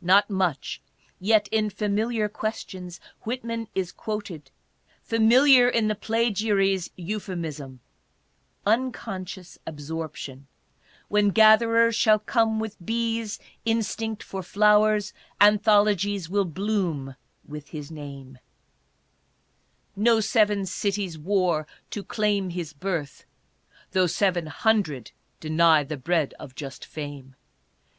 Not much yet in "Familiar Quotations," Whitman is quoted, familiar in the plagiary's euphemism —" unconscious absorption." When gatherers shall come with bees' instinct for flowers, anthol ogies will bloom with his name. 30 ADDRESSES. ' No seven cities war to claim his birth, though seven hundred deny the bread of just fame.